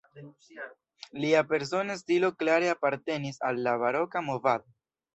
Lia persona stilo klare apartenis al la baroka movado.